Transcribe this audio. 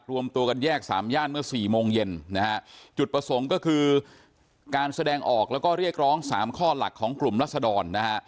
รวมตัวกันแยกสามย่านเมื่อสี่โมงเย็นนะฮะจุดประสงค์ก็คือการแสดงออกแล้วก็เรียกร้องสามข้อหลักของกลุ่มรัศดรนะฮะ